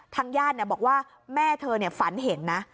ทางญาติเนี่ยบอกว่าแม่เธอเนี่ยฝันเห็นนะ